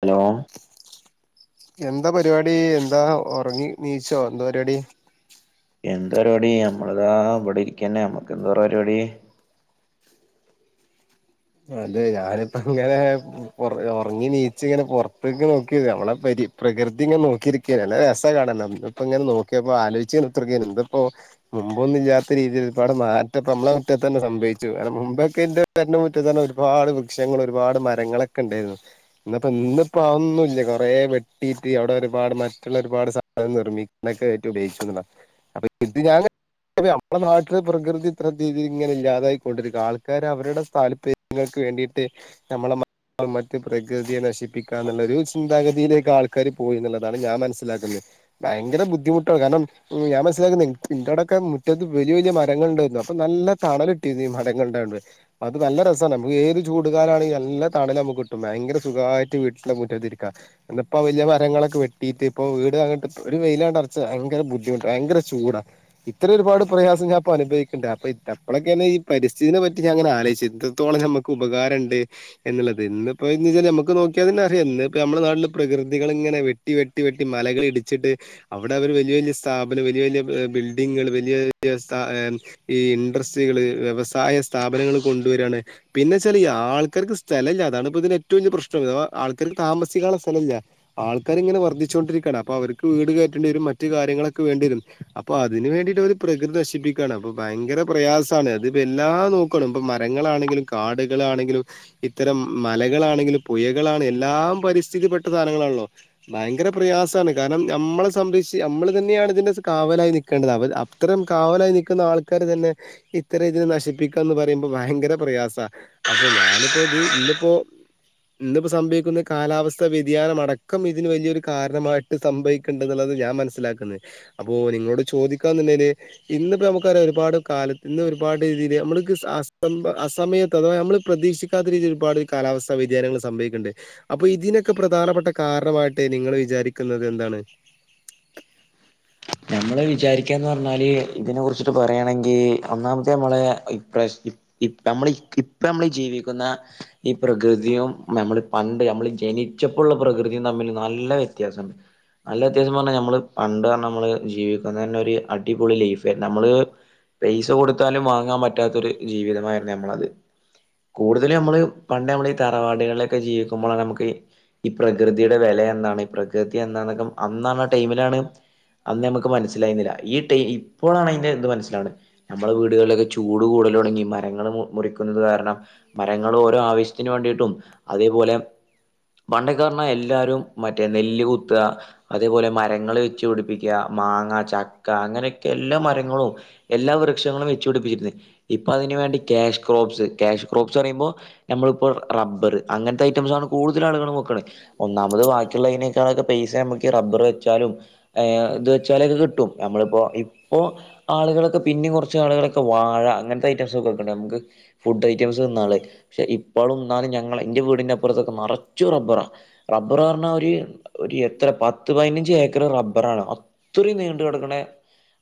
hello എന്താ പരിപാടി എന്താ ഉറങ്ങി നീച്ചോ എന്താ പരിപാടി എന്താ പരിപാടി നമ്മളിതാ ഇവിടെ ഇരിക്കന്നെ നമ്മക്ക് എന്താ പരിപാടി അതെ ഞാനിപ്പം ഇങ്ങനെ ഉറങ്ങി നീച് ഇങ്ങനെ പുറത്തേക്ക് നോക്കി നമ്മളെ പ പ്രകൃതി ഇങ്ങനെ നോക്കിയിരിക്കെ അല്ലെ നല്ല രസ കാണാൻ ഇപ്പ ഇങ്ങനെ നോക്കിയപ്പോ ആലോചിച്ച് ഇരിക്കാരുന്നു ഇതിപ്പോ മുമ്പൊന്നും ഇല്ലാത്ത രീതിയിൽ ഇപ്പാടെ നാറ്റത്തെ നമ്മളെ മുറ്റത്ത് തന്നെ സംഭവിച്ചു കാരണം മുമ്പൊക്കെ എന്റെ വീട്ടിൽ തന്നെ ഒരുപാട് വൃക്ഷങ്ങൾ ഒരുപാട് മരങ്ങളൊക്കെ ഉണ്ടായിരുന്നു ഇന്നപ്പോ ഇന്നിപ്പോ അത് ഒന്നുമില്ല കുറേ വെട്ടിട്ട് അവിടെ ഒരുപാട് മറ്റുള്ള ഒരുപാട് സാധനം നിർമ്മിക്കാനൊക്കെ ആയിട്ട് ഉപയോഗിക്കു അപ്പൊ ഇത് ഞാൻ നമ്മളെ നാട്ടില് പ്രകൃതി ഇത്ര രീതിൽ ഇങ്ങനെ ഇല്ലാതായിക്കൊണ്ടിരിക്കുക ആൾക്കാർ അവരുടെ സ്ഥലം ങ്ങൾക്ക് വേണ്ടിയിട്ട് നമ്മളെ ൾ മറ്റ് പ്രകൃതിയെ നശിപ്പിക്കാന്നുള്ള ഒരു ചിന്താഗതിയിലേക്ക് ആൾക്കാര് പോയി എന്നുള്ളതാണ് ഞാൻ മനസ്സിലാക്കുന്നത് ഭയങ്കര ബുദ്ധിമുട്ടാണ് കാരണം ഞാൻ മനസ്സിലാക്കുന്ന എൻ്റെടൊക്കെ മുറ്റത്ത് വലിയ വലിയ മരങ്ങൾ ഉണ്ടായിരുന്നു അപ്പൊ നല്ല തണലിട്ടിരുന്നു മരങ്ങൾടെ അത് നല്ല ഏത് ചൂടുകാലം ആണെങ്കിലും നല്ല തണല് നമുക്ക് കിട്ടും ഭയങ്കര സുഖമായിട്ട് വീട്ടില് മുറ്റത്ത് ഇരിക്കാ ഇപ്പ വലിയ മരങ്ങളൊക്കെ വെട്ടീട്ട് ഇപ്പൊ വീട് അങ്ങിട്ട് ഒരു വെയിലാണ്ട അറച്ച ഭയങ്കര ബുദ്ധിമുട്ട് ഭയങ്കര ചൂടാ ഇത്രയും ഒരുപാട് പ്രയാസം ഞാൻ ഇപ്പോ അനുഭവിക്കുന്നുണ്ട് അപ്പോ അപ്പളക്കെ അല്ലേ ഈ പരിസ്ഥിതിനെ പറ്റി ഞാൻ അങ്ങന ആലോചിക്കുന്നത് എത്രത്തോളം നമുക്ക് ഉപകാരം ഉണ്ട് ഉള്ളത് ഇപ്പോെ എന്ന് വെച്ചാൽ നമുക്ക് നോക്കിയ തന്നെ അറിയ നമ്മളെനാട്ടിൽ പ്രകൃതി പ്രകൃതികൾ ഇങ്ങനെ വെട്ടി വെട്ടി വെട്ടി മലകൾഇടിച്ചിട്ട് അവിടെ അവര് വലിയ വലിയ സ്ഥാപനം വലിയ വലിയ ബിൽഡി വലിയ വ ഈ ഇൻഡസ്ട്രികൾ വ്യവസായ സ്ഥാപനങ്ങൾ കൊണ്ടുവരാണ് പിന്നെ ചില ഈ ആൾക്കാർക്ക് സ്ഥലമില്ല അതാണ്പ്പോ ഇതിന് ഏറ്റവും വലിയ പ്രശ്നം ആൾക്കാർക്ക് താമസിക്കാനുള്ള സ്ഥലം ഇല്ല ആൾക്കാർ ഇങ്ങനെ വർദ്ധിച്ചുകൊണ്ടിരിക്കയാണ് അപ്പൊ അവർക്ക് വീട് കയറ്റേണ്ടി വരും മറ്റു കാര്യങ്ങളൊക്കെ വേണ്ടി വരും അപ്പൊ അതിന് അതിന് വേണ്ടിയിട്ട് അവര് പ്രകൃതി നശിപ്പിക്കുകയാണ് അപ്പൊ ഭയങ്ക പ്രയാസമാണ് അത്പ്പോ എല്ലാം നോക്കണം ഇപ്പ മരങ്ങളാണെങ്കിലും കാടുകളാണെങ്കിലും ഇത്തരം മലകളാണെങ്കിലും പുയകളാണ് എല്ലാം പരിസ്ഥിതിയിപ്പെട്ട സാധനങ്ങളാ ഭയങ്കര പ്രയാസമാണ് കാരണം നമ്മളെ സംരക്ഷിച്ച് നമ്മൾ തന്നെയാണ് ഇതിന്റെ കാവലായി നൽക്കേണ്ടത് അവ അത്തരം കാവലായി നിൽക്കുന്ന ആൾക്കാർ തന്നെ ഇത്ര ഇതിൽ നശിപ്പിക്കുക എന്ന് പറയുമ്പോൾ ഭയങ്കര പ്രയാസ അപ്പൊ ഞാനിപ്പോ ഇത് ഇന്നിപ്പോ ഇന്നിപ്പോ സംഭവിക്കുന്ന കാലാവസ്ഥ വ്യതിയാനം അടക്കം ഇതിന് വലിയൊരു കാരണമായിട്ട് സംഭവിക്കേണ്ട എന്നുള്ളത് ഞാൻ മനസിലാക്കുന്നത് അപ്പോ നിങ്ങളോട് ചോദിക്കാന്നണ്ടെല് ഇന്നിപ്പോ നമുക്ക് അറിയാം ഒരുപാട് കാലത്ത് ഒരു പാട് രീതി നമ്മക്ക് അസമയത്ത് അഥവാ നമ്മള് പ്രതീക്ഷിക്കാത്ത രീതിയി ഒരുപാട് കാലാവസ്ഥാ വ്യതിയാനങ്ങൾ സംഭവിക്കുന്നുണ്ട് അപ്പൊ ഇതിനൊക്കെ പ്രധാനപ്പെട്ട ക കാരണമായിട്ട് നിങ്ങൾ വിചാരിക്കുന്നത് എന്താണ് [inaudible] നമ്മള് വിചാരിക്കാന്ന് പറഞ്ഞാല് ഇതിനെ കുറിച്ചിട്ട് പറയയാണെങ്കിൽ ഒന്നാമത്തെ നമ്മളെ നമ്മൾ ഇപ്പ നമ്മൾ ജീവിക്കുന്ന ഈ പ്രകൃതിയും നമ്മൾ പണ്ട് നമ്മ ജനിച്ചപ്പോുള്ള പ്രകൃതി തമ്മിൽ നല്ല വ്യത്യാസുണ്ട് നല്ലത് പണ്ട് നമ്മള് പണ്ട് നമ്മള് ജീവിക്കുന്ന തന്നെ ഒരു അടിപൊളി ലൈഫായി നമ്മള് പൈസ കൊടുത്താലും വാങ്ങാൻ പറ്റാത്തൊരു ജീവിതമായിരുന്നു ഞമ്മളത് കൂടുതല് നമ്മള് പണ്ട് നമ്മള് ഈ തറവാടുകളിലൊക്കെ ജീവിക്കുമ്പോൾ നമുക്ക് ഈ പ്രകൃതിയുടെ വില എന്താണ് പ്രകൃതി എന്താന്നക്കെ അന്നാണാ ടൈമിലാണ് അന്ന് നമുക്ക് മനസ്സിലായിുന്നില്ല ഈ ടൈ ഇപ്പോഴാണ് അതിന്റെ ന്ത് മനസ്സിലാവണത് നമ്മുടെ വീടുകളിലൊക്കെ ചൂട് കൂട കൂടലോടങ്ങി മരങ്ങൾ മുറിക്കുന്നത് കാരണം മരങ്ങൾ ഓരോ ആവശ്യത്തിന് വേണ്ടിട്ടും അതേപോലെ പണ്ടക്കോറഞ്ഞാ എല്ലാരും മറ്റേ നെല്ല് കുത്താ അതേപോലെ മര മരങ്ങ വെച്ച് പിടിപ്പിക്കുക മാങ്ങ ചക്ക അങ്ങനെയക്കെ എല്ലാ മരങ്ങളും എല്ലാ വൃക്ഷങ്ങളും വെച്ച് പിടിപ്പിക്കാ ഇപ്പ അതിനന് വേണ്ടി ക്യാഷ് ക്രോപ്സ് ക്യാഷ് ക്രോപ്സ് പറയുമ്പോൾ നമ്മളിപ്പോൾ റബ്ബർ അങ്ങനത്തെ ഐറ്റംസ ആണ് കൂടുതലാ ളുകൾ വെക്ക്ണ ഒന്നാമത് വാക്കിയുള്ളതിനെക്കാളൊക്കെ പൈസ നമുക്ക് ഈ റബ്ബർ ത് വെച്ചാലും ഏഹ് ഇത് വെച്ചാലൊക്കെ കിട്ടും നമ്മളിപ്പോ ഇപ്പോ ആളുകളൊക്കെ പിന്നെയും കുറച്ച ആളുകളൊക്കെ ക്കെ വാഴ അങ്ങനത്തെ ഐറ്റംസ് ഒക്കെ വെക്കണ്ട് നമുക്ക് ഫുഡ് ഐറ്റംസ് തിന്നാലത് പക്ഷെ ഇപ്പോളു ന്നാൽ ഞങ്ങളെ ന്റെ വീടിന്റെ അപ്പുറത്തൊക്കെ നറച്ചും റബ്ബറാ റബ്ബർ പറഞ്ഞൽ ഒരു എത്ര പത്ത് പതിനഞ്ചു അഞ്ചു ഏക്കർ റബ്ബറാണ് അത്രീം നീണ്ട് കിടക്കണേ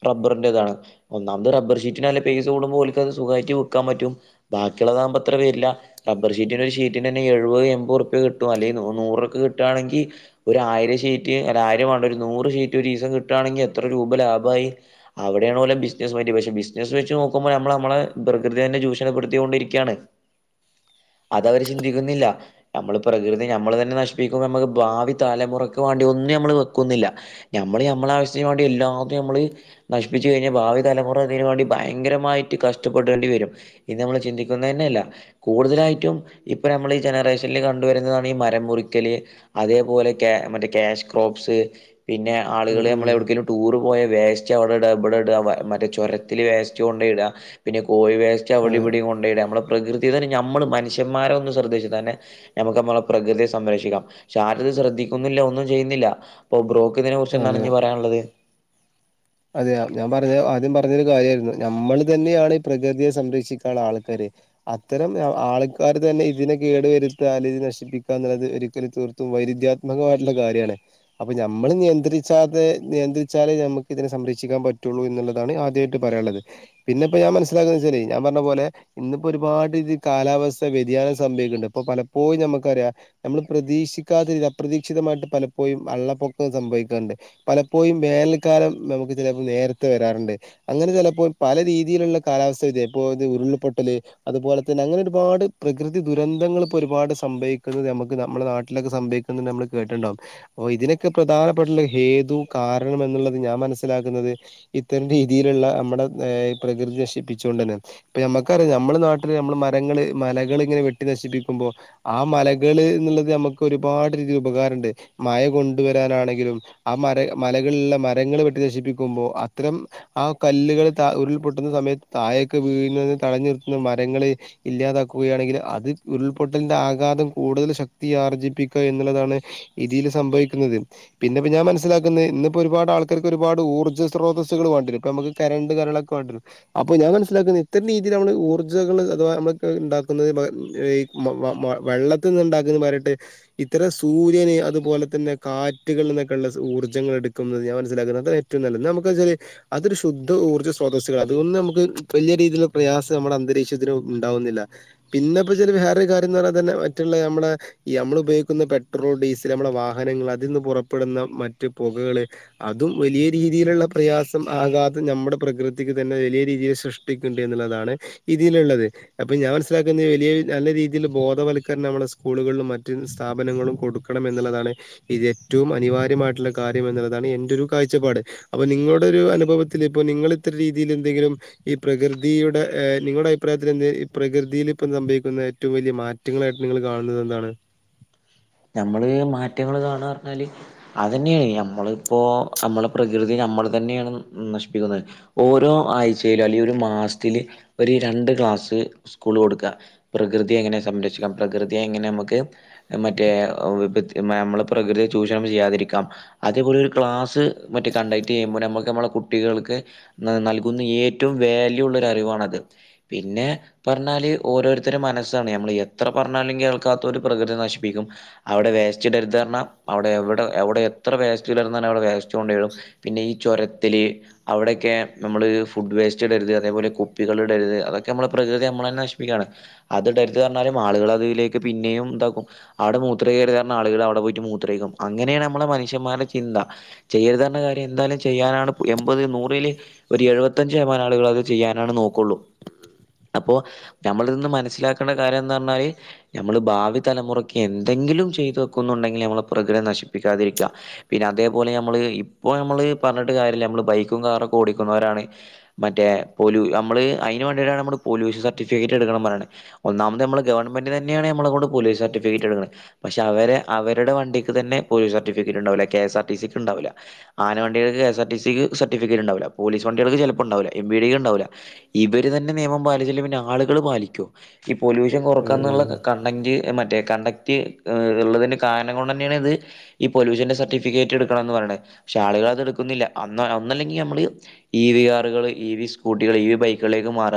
റബ്ബറിൻന്റെേതാണ് ഒന്നാമത് റബ്ബർഷീറ്റി നല്ല പൈസ കൂടുമ്പോ ഓൽകത് സുഖമായിട്ട് വിക്കാൻ പറ്റും ബാക്കി ബാക്കില്ലാതാവുമ്പോ ഇത്രവരില്ല റബ ഷീറ്റന്റെ ഒരു ഷീറ്റിന് എഴുപത് എമ്പപത് രൂപ കിട്ടും അല്ലെങ്കി നൂറൊക്കെ കിട്ടാണെങ്കി ങ്കി ഒരു ആയിരം ഷീറ്റ് അല്ലെങ്കി ആയിരം നൂറ് ഷീറ്റ് ഒരീസം കിട്ടാണെങ്കി എത്ര രൂപ ലാഭമായി അവിടെ ആണ് ഓലെ ബിസിനസ്സ് മൈന്റ് പക്ഷെ ബിസനസ്സ് നോക്കുമ്പോൾ നമ്മൾ നമ്മെ പ്രകൃതിയേ തന്നെ ചൂഷണപ്പെടുത്തിൊണ്ടിരിക്കുകയാണ് അത അവര് ചിന്തിക്കുന്നില്ല നമ്മള് പ്രകൃതി നമ്മൾ തന്നെ നശിപ്പിക്കുമ്പോൾ നമ്മൾ ഭാവി തലമുറക്ക് വേണ്ടി ഒന്നും നമ്മ വെക്കുന്നില്ല ന്നില്ല നമ്മള് നമ്മെ ആവശ്യത്തിന് വേണ്ടി എല്ലാതും നമ്മള് നശിപ്പിച്ചു കഴിഞ്ഞ ഭാവി തലമുറ ഇതിനുവേണ്ടി ഭയങ്കരമായിട്ട് കഷ്ടപ്പെടേണ്ടി വരും ഇത് ഞമ്മൾ ചിന്തിക്കുന്നനെല്ല കൂടുതലായിട്ടും ഇ നമ്മൾ ഈ ജനറേഷനിൽ കണ്ടുവരുന്നതാണ് ഈ മരം മുറിക്കൽ അതേപോലെ കെ മറ്റേ ക്യാഷ് ക്രോപ്സ് പിന്നെ ഉം ആളുകള് ഉം നമ്മൾ എവിടുക്കേലും ടൂർ പോയ പോയ വേസ്റ്റ് അവിടെ ഇട ഇവിടെ ഇട മറ്റേ ചുരത്തിൽ വേസ്റ്റ് കൊണ്ടടാ പിന്നെ കോഴി വൈസ്റ്റ്‌ അവിടെ അതെ ഇവടേം കൊണ്ടോയിടാ നമ്മള് പ്രകൃതിയ തന്നെ നമ്മള് മനുഷ്യന്മാരെ ഒന്ന്ന് ശ്രദ്ധിച്ച തന്നെ നമുക്ക് നമ്മളെ പ്രകൃയെ സംരക്ഷിക്കാം പക്ഷെ ആരും ശ്രദ്ധിക്കുന്നില്ല ഒന്നും ചെയ്യുന്നില്ല അപ്പൊ ബ്രോക്ക് ഇതിനെ കുറിച്ച് എന്താണ് ഇനി പറയാനുള്ളത് അതെയയാ ഞാൻ പറഞ്ഞ ആദ്യം പറഞ്ഞൊരു കാര്യമായിരുന്നു നമ്മൾ തന്നെയാണ് ഈ പ്രകൃതിയെ സംരക്ഷിക്കുള്ള ആൾക്കാര് അത്തരം ആൾക്കാർ തന്നെ ഇതിനെ കേടു വരുതത്യാൽ ഇത് നശിപ്പിക്കാന്നുള്ളത് ഒരിക്കലും തീർത്തും വൈരുദ്ധാത്മകമായിട്ടുള്ള കാര്യാണ് അപ്പൊ നമ്മള് നിയന്ത്രിച്ചാതെ നിയന്ത്രിച്ചാലേ നമ്മുക്ക് ഇതിനെ സംരക്ഷിക്കാൻ പറ്റുള്ളൂ എന്നുള്ളതാണ് ആദ്യമായിട്ട് പറയാനുള്ളത് പിന്നെപ്പൊ ഞാൻ മനസ്സിലാക്കുന്ന ശെരി ഞാൻ പറഞ്ഞ പോലെ ഇന്നിപ്പോ ഒരുപാട് ഇ കാലാവസ്ഥ വ്യതിയാനം സംഭവിക്കണ്ട് ഇപ്പൊ പലപ്പോഴും നമുക്കറിയാം നമ്മള് പ്രതീക്ഷ് ക്ഷിക്കാതെ അപ്രതീക്ഷതമായിട്ട് പലപ്പോഴും വള്ളപ്പൊക്കം സംഭവിക്കാറുണ്ട് പലപ്പോഴും വേനൽ കാലം കാലം നമുക്ക് ചിലപ്പോ നേരത്ത് വരാറുണ്ട് അങ്ങനെ ചിലപ്പോ പല രീതിയിലുള്ള കാലാവസ്ഥ വ്യത്യാനം ഇപ്പോ ഇത് ഉരുൾപൊട്ടല് അതുപോലെ തന്നെ അങ്ങനെ ഒരുപാട് പ്രകൃതി ദുരന്തങ്ങൾ ഇ ഒരുപാട് സംഭവിക്കുന്നത് നമുക്ക് നമ്മളെ നാട്ടിലൊക്കെ സംഭവിക്കുന്നത് നമ്മ കേട്ടുണ്ടാവും അപ്പോ ഇതിനൊക്കെ പ്രധാനപ്പെട്ടുള്ള ഹേതു കാരണം എന്നുള്ളത് ഞാൻ മനസ്സിലാക്കുന്നത് ഇത്തരം രീതിയിലുള്ള നമ്മുടെ ഏഹ് പ്രകൃതി നശിപ്പിച്ചൊണ്ട് തന്നെ നമുക്കറിയാം നമ്മുടെ നാട്ടില് നമ്മൾ മരങ്ങള് മലകൾ ഇങ്ങനെ വെട്ടി നശിപ്പിക്കുമ്പോ ആ മലകൾ ന്നുള്ളത് നമുക്ക് ഒരുപാട് രീതി ഉപകാരണ്ട് മഴ കൊണ്ടുവരാനാണെങ്കിലും ആ മര മലകളലുള്ള മരങ്ങൾ വെട്ടി നശിപ്പിക്കുമ്പോ അത്തരം ആ കല്ലുകൾ ഉരുൾപൊട്ടുന്ന സമയത്ത് താഴേക്ക് വീഴുന്നത് തടഞ്ഞു നിർത്തുന്നത് മരങ്ങൾ ഇല്ലാതാക്കുകയാണെങ്കിൽ അത് ഉരുൾപൊട്ടലിന്റെ ആഘാതം കൂടുതൽ ശക്തി ആർജിപ്പിക്കുക എന്നുള്ളതാണ് ഇതിയിൽ സംഭവിക്കുന്നത് പിന്നെ ഇപ്പോ ഞാൻ മനസ്സിലാക്കുന്നത് ഇന്നിപ്പോ ഒരുപാട് ആൾക്കാ ഒരുപാട് ഊർജ്ജ സ്രോതസുകൾ വാണ്ടിവരും ഇപ്പൊ കറണ്ട് കരലോക്കോ വേണ്ടിവരും അപ്പൊഞാൻ മനസിലാകുന്നത് ഇത്തരം നിതി നമ്മൾ ഊർജകൾ അഥവാ നമ്മ ഉണ്ടാക്കുന്നത് ഏഹ് മ്മ് മ്മ വെള്ളത്തിൽ നിന്ന് ഉണ്ടാക്കുന്നരമായിട്ട് ഇത്തരം സൂര്യന് അതുപോലെ തന്നെ കാറ്റുകൾന്നൊക്കെ ഉള്ള ഊർജ്ജങ്ങൾ എടുക്കുന്നത് ഞാൻ മനിലുന്നത് ഏറ്റവും നല്ലത് നമുക്ക് അതൊരൂ ശുദ്ധ ഊർജ്ജ സ്രോസ്സൾ അതുകൊണ്ട് നമുക്ക് വലിയ രീതിലുള്ള സ് നമ്മുടെ അന്തരീക്ഷത്തിന് ഉണ്ടാവുന്നില്ല പിന്നെപ്പോ ച വേറൊരു കാര്യം എന്ന് പറഞ്ഞാതന്നെ മറ്റുള്ള നമ്മുടെ ഈ നമ്മൾ ഉപയോഗിക്കുന്ന പെട്രോൾ ഡീസൽ നമ്മളുടെ വാഹനങ്ങൾ അതിൽ നിന്ന് പുറപ്പെടുന്ന മറ്റു പുകകൾ അതും വലിയ രീതിയിലുള്ള പ്രയാസം ആകാതെ നമ്മുടെ പ്രകൃതിക്ക് തന്നെ വലിയ രീതിയിൽ സൃഷ്ടിക്കണ്ടെന്നു താണ് ഇതിലുള്ളത് അപ്പൊ ഞാൻ മനസ്സിലാക്കുന്നത് വലിയ നല്ല രീതിയിൽ ബോധവത്ക്കരണം നമ്മുടെ സ്കൂളുകളിൽ മറ്റ് സ്ഥാപനങ്ങളും കൊടുക്കണം എന്നുള്ളതാണ് ഇത് ഏറ്റവും അനിവാര്യമായിട്ടുള്ള കാര്യം എന്നുള്ളതാണ് എന്റെരു ഒരു കാഴ്ചപ്പാട് അപ്പൊ നിങ്ങളുടെ ഒരു അനുഭവത്തിൽ ഇപ്പ നിങ്ങൾ ഇത്ര രീതിയിൽ എന്തെങ്കിലും ഈ പ്രകൃതിയുടെ നിങ്ങളുടെ അഭിപ്രായത്തിൽ എന്ത് പ്രകൃതിയിൽ ഇപ്പം സംഭവിക്കുന്ന ഏറ്റവും വലിയ മാറ്റങ്ങളായിട്ട് നിങ്ങൾ കാണുന്നത് എന്താണ് നമ്മള് മാറ്റങ്ങള്ൾ കാണ പറഞ്ഞാല് അത്ന്നെയാണ് നമ്മളിപ്പോ നമ്മളെ പ്രകൃതി നമ്മൾ തന്നെയാണ് നശിപ്പിക്കുന്നത് ഓരോ ആഴ്ചയിലും അല്ലെ ഒരു മാസത്തില് ര ക്ലാസ്സ് സ്കൂൾ കൊടുക്കാം പ്രകൃതിയ എങ്ങനെ സംരക്ഷിക്കാം പ്രകൃതിയെ എങ്ങനെ നമുക്ക് മറ്റ നമ്മ പ്രകൃതി ചൂഷണം ചെയ്യാതിരിക്കാം അതേപോലെ ക്ലാസ് മറ്റേ കണ്ട ചെയ്പോ നക്ക് നമ്മ കുട്ടികൾക്ക് നൽകുന്ന ഏറ്റവും വാല്യ ഉള്ള ഒരു അറിവാണ്ത് പിന്നെ പറഞ്ഞാൽ ഓരോരുത്തരുടെ മനസ്സാണ് നമ്മൾ എത്ര പറഞ്ഞാലും കേൾക്കാത്ത ഒരു പ്രകൃതി നശിപ്പിക്കും അവിടെ വേസ്റ്റ്ിലരുതഞ്ഞ അവിടെ എവിടെ എവിടെ എത്ര വേസ്റ്റുന്ന അവിടെ വേസ്ണ്ട വരും പിന്നെ പിന്നെ ഈ ചുരത്തിൽ അവിടെയൊക്കെ നമ്മള് ഫുഡ് വേസ്റ്റ് ഇടരുത് അതേപോലെ കുപ്പികൾ ഇടരുത് അതൊക്കെ നമ്മുടെ പ്രകൃതി നമ്മളെ തന്നെ നശിപ്പിക്കുകയാണ് അത് കരുത്ത് പറഞ്ഞാലും ആളുകൾ അതിലേക്ക് പിന്നെയും ഇതാക്കും അവിടെ മൂത്ര കരുതുന്ന ആളുക അവിടെ പോയിട്ട്ൂത്രക്കും അങ്ങനെയാണ് നമ്മള മനഷ്യന്മാരുടെ ചിന്ത ചെയ്യരുതുന്ന കാര്യം എന്തായാലും ചെയ്യാനാണ് എൺപത് നൂറില് ഒരു എഴുപത്തഞ്ച് ശതമാനം ആളുകൾ അത് ചെയ്യാനാണ് നോക്കുള്ളൂ അപ്പോൊ നമ്മൾിന്ന് മനസ്സിലാക്കേണ്ട കാര്യം എന്ന് പറഞ്ഞാല് നമ്മള് ഭാവി തലമുറക്ക് എന്തെങ്കിലും ചെയ്തു വെക്കുന്നുണ്ടെങ്കിൽ നമ്മൾ പ്രകൃയം നശിപ്പിക്കാതിരിക്കുക പിന്നെ അതേപോലെ നമ്മള് ഇ ഇ നമ്മള് പറഞ്ഞിട്ട് കാര്യ നമ്മ ബൈക്കും കാറൊക്കെ ഓടിക്കുന്നവരാണ് മറ്റേ നമ്മ ഇതിനു വേണ്ടിയാണു പൊല്യൂഷൻ സർട്ടിഫിക്കറ്റ് എടുക്കണം എന്ന് പറയുന്നത് ഒന്നാമത് നമ്മുടെ ഗവണ്മെന്റ് തന്നെ ആണ് നമ്മളെ പൊല്യൂഷൻ സർട്ടിഫിക്കറ്റ് ഫ എടു പക്ഷെ അവ അവരുടെ വണ്ടിക്ക് തന്നെ പോല സർട്ടിഫിക്കറ്റ് ഉണ്ടാവില്ല കെ എസ് ആർ ടി സക്ക് ഉണ്ടാവില്ല ആനവണ്ടികൾ കെ എസ്ആർ ടി സക്ക് സർട്ടിഫിക്കറ്റ് ഉണ്ടാവില്ല പോലീസ് വണ്ടികൾക്ക് ചിലപ്പോ ഉണ്ടാവ എം ഡിക്ക്ണ്ടാവില്ല ഇവർ തന്നെ നിയമം പാലിച്ചില്ല പിന്നെ ആളുകൾ പാലിക്കോ ഈ പൊല്യൂൻ ഉം കൊറക്കാുള്ള കണ്ട മറ്റേ കണ്ടക്ട് ഉള്ളതിന്റെ കാരണം കൊണ്ട് തന്നെയാണ് ഇത് ഈ പൊല്യൂഷന്റെ സർട്ടിഫിക്കറ്റ് എടുക്കണംന്ന് പറയത് പക്ഷെ ആളുകൾ അത എടുക്കുന്നില്ല അ ഒന്നല്ലെങ്കിൽ നമ്മള് ഇ വി കാറുകൾ ഇ വി സ്കൂട്ടികൾ ഇ വി ബൈക്കുകളെ മാറ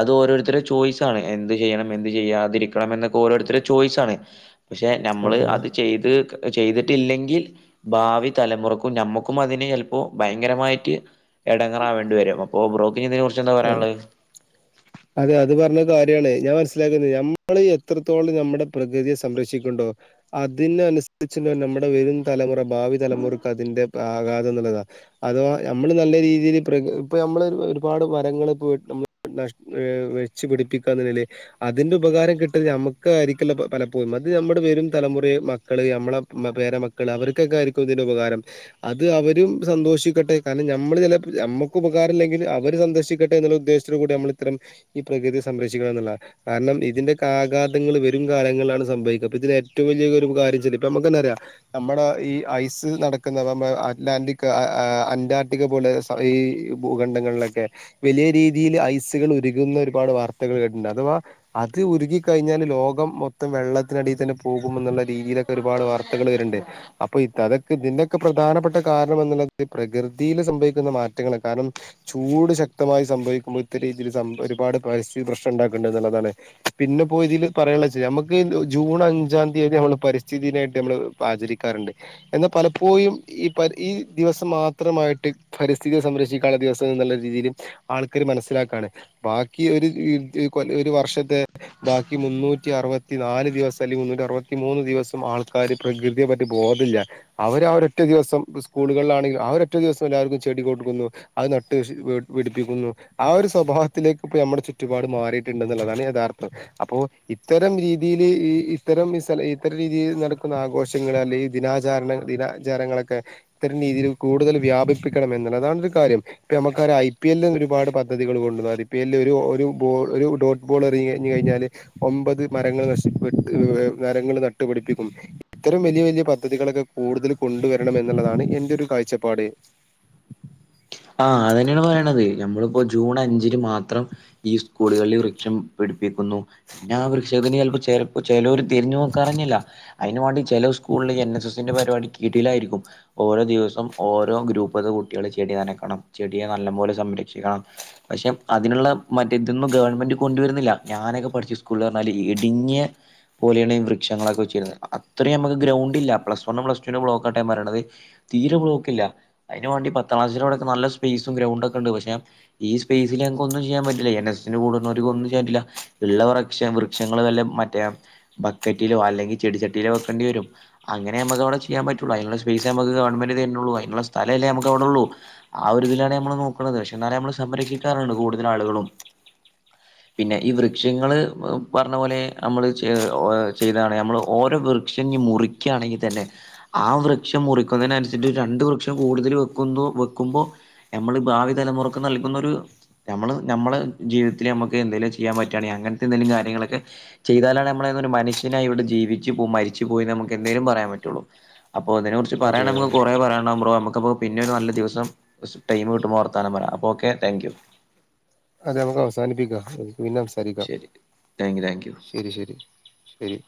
അത് ഓരോരുത്തടെ ചോയ്സ് ആാണ് എന്ത് ചെയ്യണം എന്ത് ചെയ്യാതിരിക്കണം എന്നൊക്കെ ഓരോരുത്തടെ ചോയ്സ ആണ് പക്ഷെ നമ്മള് അതെ അത് ചെയ്ത് ചെയ്തി ില്ലെങ്കിൽ ഭാവി തലമുറക്കും നഞമ്മക്കും അതിന് ചിലപ്പോ ഭയങ്കരമായിട്ട് എടങ്ങറാവ വേണ്ടി വരും അപ്പോ ബ്രോ ആ അതെ അത് പറഞ്ഞ ഞാൻ മനസ്സിലാക്കുന്നത് നമ്മൾ എത്രത്തോളം നമ്മുടെ പ്രകൃതിയെ സംരക്ഷിക്കണ്ടോ അതിനനു നമ്മുടെ വരും തലമുറ ഭാവി തലമുറക്ക് അതിന്റെ ആഘാതം എന്നുള്ളതാണ് അഥവാ നമ്മള് നല്ല രീതി നമ്മ ഒരുപാട് വെ പിടിപ്പിക്ക അതിന്റെ ഉപകാരം കിട്ട നമക്ക് പലപ്പോഴും അത് നമ്മുടെ വെരും തലമുറെ മക്കള് നമ്മെ പേര മക്കള് അവർക്കൊക്കെ ആയിരിക്കുംതി ഉപകാരം അത് അവരും സന്തോഷിക്കട്ടെ കാരണം നമ്മള് ചില നമ്മുക്ക് ഉപകാരമില്ലെങ്കിൽ അവ സന്തോിക്ക ട്ടെ എന്നുള്ള ഉദ്ദേശത്തോ കൂടി നമ്മൾ ഇത്തരം ഈ പ്രകൃതിയെ സംരക്ഷിക്കണം എന്നുള്ള കാരണം ഇതിന്റെ ആഘാതങ്ങൾ വരും കാലങ്ങളിലാണ് സംഭവിക്കുക അ ഇതിന് ഏറ്റവും വലിയ കാര്യം ഇ നമുന്താറ നമ്മുടെ ഈ ഐസ് അറ്റ്ലാന്റിക് അന്റാർട്ടിക്ക പോലെ ഈ ഭൂഖണ്ഡങ്ങളിലൊക്കെ വലിയ രീതിയിൽ ഐസുകൾ ഒരുരുകുന്ന ഒരുപാട് വാർത്തകൾ കേട്ടിട്ടുണ്ട് അഥവാ അത് ഉ ഒരുുകിിക്കഴിഞ്ഞാല് ലോക മൊത്തം വെള്ളത്തിനടിയിൽ തന്നെ പോകും എന്നുള്ള രീതിയിലൊക്കെ ഒരുപാട് വാർത്തകൾ വരുണ്ട് അപ്പൊ അതൊക്കെ പ്രധാനപ്പെട്ട കാരണം എന്നുള്ളത് പ്രകൃതിയിൽ സംഭവിക്കുന്ന മാറ്റങ്ങൾ കാരണം ചൂട് ശതി ശ്യക്തമായി സംഭവിക്കുമ്പോൾ ഇ രീതിൽ ഒരുാട് പ പ്രശ്നം ഉണ്ടാക്കണ്ട എന്നുള്ളതാണ് പിന്നെപ്പോ ഇതിൽ പറ നമക്ക് ജൂൺ അഞ്ചാം തീയതി നമ്മള് പരിസ്ഥിതിായിട്ട് നമ്മ ആചരിക്കാറുണ്ട് എന്നാൽ പല പോും ഈ പ ഈ ദിവസം മാത്രമായിട്ട് പരിസ്ഥിതി സംരക്ഷിക്കാനുള്ള ദിവസം എന്നുള്ള രീതിയിൽ ആൾക്കർ മനസ്സിലാക്കയാണ് ബാക്കി ഒരു കൊ ഒരു വർഷത്തെ ബാക്കി മുന്നൂറ് റ്റ അറുപത്തി നാല് ദിവസം അല്ലെങ്കുന്നറ്റ അറുപത്തി മൂന്ന് ദിവസം ആൾക്കാാര് പ്രകൃതിയെ പറ്റി ബോല്ല അവര് ആ ഒരൊറ്റ ദിവസം സ്കൂളുകളിലാണെങ്കിൽ അവര ഒറ്റ ദിവസം എല്ലാവർക്കും ചെടി കൊടുക്കുന്നു അത് നട്ട് പിടിപ്പിക്കുന്നു ആ ഒരു സ്വഭാവത്തിലേക്ക് ഇപ്പോ നമ്മുടെ ചുറ്റുപാട് മാറിയിട്ടുണ്ടെന്നുള്ളതാണ് യഥാർത്ഥം അപ്പോൊ ഇത്തരം രീതിയിൽ ഈ ഇത്തരം ഈ സ്ല ഇത്തരം രീതിയിൽ നടക്കുന്ന ആഘോഷങ്ങൾ അല്ലെങ്ക ദിനാചാരണ ദിനാചാരങ്ങളൊക്കെ ഇത്തരം രീതിയിൽ കൂടുതൽ വ്യാപിപ്പിക്കണം എന്നുള്ളതാാണ്രു കാര്യം നമുക്ക പി എല്ലും ഒരുപാട് പദ്ധതികൾ കൊണ്ടുവന്ന പി എല്ല ഒരു ഒരുൾ ഒരു ഡോട്ട് ബോൾ എറങ്ങ കഴിഞ് കഴിഞ്ഞാൽ ത്രങ്ങൾ്രങ്ങൾ നട്ടുപഠടിപ്പിക്കും ഇത്തരം വലിയ വലിയ പദ്ധതികളൊക്കെ കൂടുത ഇതില് കൊണ്ടുവരണം എന്നുള്ളതാണ് എന്റെ ഒരു കാഴ്ചപ്പാട് ആഹ് അതന്നെയാണ് പറയണത് ഞമ്മളിപ്പോ ജൂൺ അഞ്ചിന് മാത്രം ഈ സ്കൂളുകളിൽ വൃക്ഷം പിടിപ്പിക്കുന്നു പിന്നെ ആ വൃക്ഷ [unintelligible] തിരിഞ്ഞു നോക്കറിഞ്ഞില്ല അതിന് വേണ്ടി ചില സ്കൂളിൽ എൻ എസ് എസ്സിന്റെ പരിപാടി കിടലായിരിക്കും ഓരോ ദിവസം ഓരോ ഗ്രൂപ്പ് അത് കുട്ടികൾ ചെടി ണം ചെടിയെ നല്ല പോലെ സംരക്ഷിക്കണം പക്ഷെ അതിനുള്ള മറ്റ് ഇതൊന്നും ഗവൺമെന്റ് കൊണ്ടുവാരുന്നില്ല ഞാനൊക്കെ പഠിച്ചു സ്കൂളിൽ പറഞ്ഞാല് ഇടിങ്ങിയ പോലെയാണ് ഈ വൃക്ഷങ്ങളൊക്കെ വച്ചിരുന്നത് അത്രയും നമുക്ക് ഗ്രൗ പ്ലസ് വണ്ണും പ്ലസ് ടുനും ബ്ലോക്കായിട്ടാ ഞാൻ പറയണത് തീരെ ബ്ലോക്കില്ല അതിന് വേണ്ടി പത്താം ക്ലാസ്സ് നല്ല സ്പേസും ഗ്രൗണ്ടും ഒക്കെ ഉണ്ട് പക്ഷെ ഈ സ്പേസിൽ ഞങ്ങക്ക് ഒന്നും ചെയ്യാൻ പറ്റില്ല എൻ എസ്സിന്റെ കൂടണോർക്ക് ഒന്നും ചെയ്യാൻ പറ്റില്ല ഉള്ള വൃക്ഷ വൃക്ഷങ്ങള് വല്ല മറ്റേ ബക്കറ്റിലോ അല്ലെങ്കില് ചെടിച്ചട്ടിയിലോ വെക്കേണ്ടി വരും അങ്ങനെ നമ്മക്ക് അവിടെ ചെയ്യാൻ പറ്റുള്ളു അതിനുള്ള സ്പേയിസേ നമ്മുക്ക് ഗവൺമെന്റ് തരുന്നുള്ളു അതിനുള്ള സ്ഥലല്ലേ നമക്ക് അവിടെയുള്ളൂ ആ ഒരു ഇതിലാണ് ഞമ്മൾ നോക്കണത് പക്ഷെ എന്നാലേ നമ്മള് സംരക്ഷിക്കാറുള്ളൂ കൂടുതൽ ആളുകളും പിന്നെ ഈ വൃക്ഷങ്ങള് പറഞ്ഞ പോലെ അമ്മള് ചെയ്തതാണ് ഞമ്മള് ഓരോ വൃക്ഷ മുറിക്കുയാണെങ്കിൽ തന്നെ ആ വൃക്ഷം മുറിക്കുന്നതിനനുസരിച്ചിട്ട് ഒരു രണ്ട് വൃക്ഷം കൂടുതൽ വെക്കുന്നു മ്പോ ഞമ്മൾ ഭാവി തലമുറക്ക് നൽകുന്നൊരു നമ്മള് ഞമ്മള് ജീവിതത്തില് നമ്മുക്ക് എന്തേലും ചെയ്യാൻ പറ്റാണെങ്കിൽ അങ്ങനത്തെ എന്തെകിലും കാര്യങ്ങളൊക്കെ ചെയ്താലാണ് നമ്മള് ഒരു മനുഷ്യനായി ഇവിടെ ജീവിച്ച് മരിച്ച് പൊയി നമുക്ക് എന്തേലും പറയാൻ പറ്റുള്ളൂ അപ്പോ ഇതിനെ കുറിച്ച് അതെ പറയാണെങ്കിൽ നമ്മക്ക് കുറെ പറയാനുണ്ടാവും ബ്രോ നമ്മക്ക് അത് പിന്നെ രു നല്ല ദിവസം കൊറച്ച് ടൈം കിട്ടുമ്പോവർത്താനം പറയാം അപ്പൊ ഓക്കെ താങ്ക് യു അതെ നമുക്ക് അവസാനിപ്പിക്കാം പിന്നെ സംസാരിക്കാം ശരി താങ്ക് യു താങ്ക് യു ശരി ശരി ശരി